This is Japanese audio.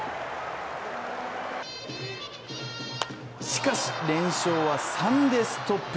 しかし、連勝は３でストップ。